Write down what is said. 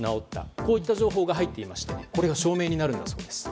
こういった情報が入っていてこれが証明になるそうです。